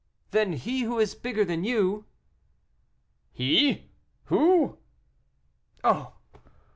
"Then he who is bigger than you?" "He! who?" "Oh!